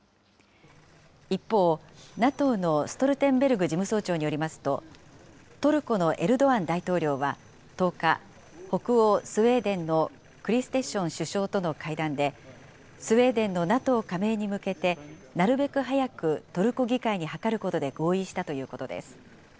一方、ＮＡＴＯのストルテンベルグ事務総長によりますと、トルコのエルドアン大統領は１０日、北欧スウェーデンのクリステション首相との会談で、スウェーデンのＮＡＴＯ加盟に向けてなるべく早くトルコ議会に諮ることで合意したということです。